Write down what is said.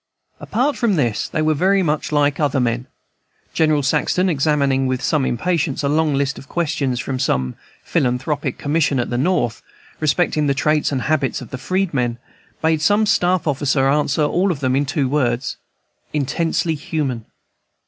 Apart from this, they were very much like other men. General Saxton, examining with some impatience a long list of questions from some philanthropic Commission at the North, respecting the traits and habits of the freedmen, bade some staff officer answer them all in two words, "Intensely human."